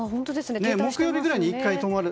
木曜日ぐらいに１回止まる。